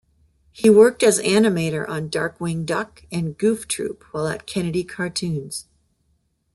He worked as animator on "Darkwing Duck", and "Goof Troop" while at Kennedy Cartoons.